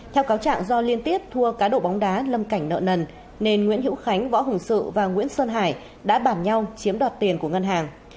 theo cáo trạng do liên tiếp thua cá độ bóng đá lâm cảnh nợ nần nên nguyễn hữu khánh võ hùng sự và nguyễn sơn hải đã bản nhau chiếm đoạt tiền của ngân hàng